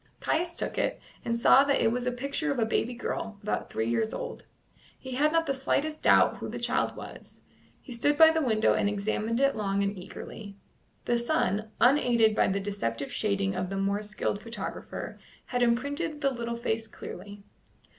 Caius took it, and saw that it was a picture of a baby girl, about three years old. He had not the slightest doubt who the child was; he stood by the window and examined it long and eagerly. The sun, unaided by the deceptive shading of the more skilled photographer, had imprinted the little face clearly.